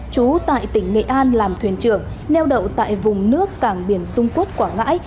chú tại tỉnh nghệ an làm thuyền trưởng neo đậu tại vùng nước cảng biển dung quốc quảng ngãi